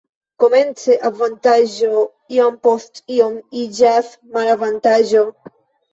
Komenca avantaĝo iom post iom iĝas malavantaĝo.